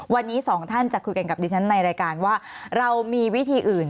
วันนี้สองท่านจะคุยกันกับดิฉันในรายการว่าเรามีวิธีอื่น